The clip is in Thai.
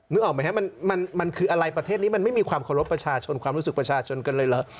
ออกไหมครับมันคืออะไรประเทศนี้มันไม่มีความเคารพประชาชนความรู้สึกประชาชนกันเลยเหรอ